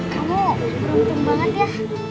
kamu beruntung banget ya